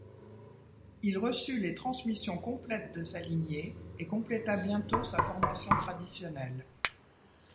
Il reçut les transmissions complètes de sa lignée et compléta bientôt sa formation traditionnelle.